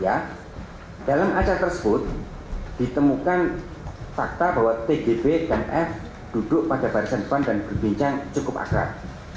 ya dalam acara tersebut ditemukan fakta bahwa tgb dan f duduk pada barisan depan dan berbincang cukup akrab